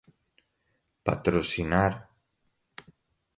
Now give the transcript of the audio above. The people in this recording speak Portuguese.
patrocinar